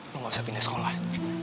lu gausah pindah sekolah